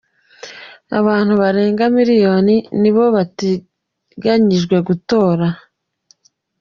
Abantu barenga imiliyoni nibo bategekanijwe gutora.